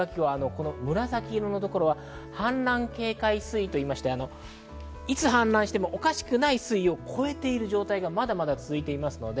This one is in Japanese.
紫色のところは氾濫警戒水位と言いまして、いつ氾濫してもおかしくない水位を超えている状態がまだ続いていると。